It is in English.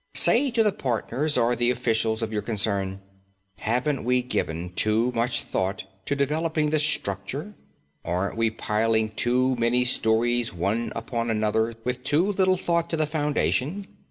Say to the partners or the officials of your concern: "Haven't we given too much thought to developing the structure? Aren't we piling too many stories one upon another with too little thought to the foundation?"